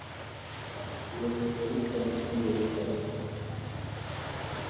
Se le muestra luchando con Yellowjacket.